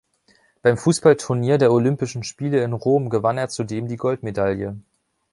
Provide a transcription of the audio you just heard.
Beim Fußballturnier der Olympischen Spiele in Rom gewann er zudem die Goldmedaille.